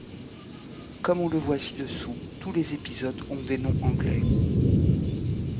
Comme on le voit ci-dessous, tous les épisodes ont des noms anglais.